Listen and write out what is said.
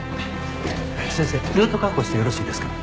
先生ルート確保してよろしいですか？